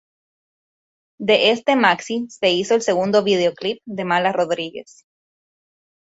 De este maxi se hizo el segundo videoclip de Mala Rodríguez.